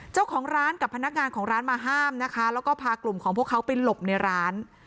เจ้าของร้านกับพนักงานของร้านมาห้ามนะคะแล้วก็พากลุ่มของพวกเขาไปหลบในร้าน